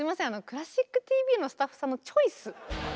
「クラシックＴＶ」のスタッフさんのチョイス。